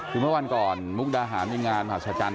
คือเมื่อวานก่อนมุกราหารมีงานหัดฉัน